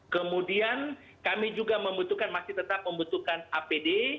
kemudian kami juga membutuhkan masih tetap membutuhkan apd